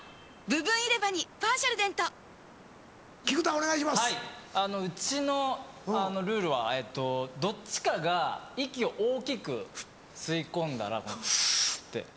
はいうちのルールはどっちかが息を大きく吸い込んだらスって。